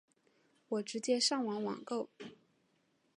我直接上网网购